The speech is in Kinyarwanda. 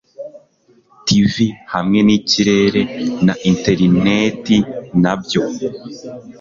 tv hamwe nikirere na interineti, nabyo